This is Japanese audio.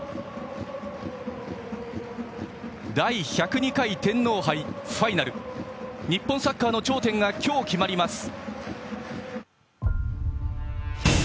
第１０２回天皇杯ファイナル日本サッカーの頂点が今日決まります。